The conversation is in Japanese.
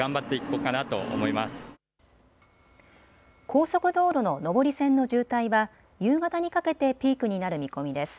高速道路の上り線の渋滞は夕方にかけてピークになる見込みです。